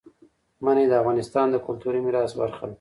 منی د افغانستان د کلتوري میراث برخه ده.